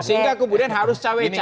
sehingga kemudian harus cewek cewek